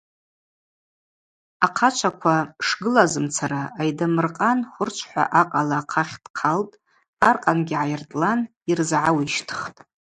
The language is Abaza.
Ахъачва шгылазымцара Айдамыр-къан хвырчвхӏва акъала ахъахь дхъалтӏ, аркъангьи гӏайыртӏлан йрызгӏауищтхтӏ.